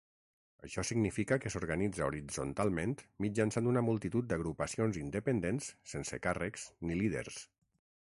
Això significa que s'organitza horitzontalment mitjançant una multitud d'agrupacions independents sense càrrecs ni líders.